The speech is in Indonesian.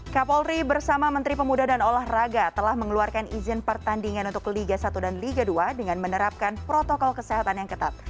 kapolri bersama menteri pemuda dan olahraga telah mengeluarkan izin pertandingan untuk liga satu dan liga dua dengan menerapkan protokol kesehatan yang ketat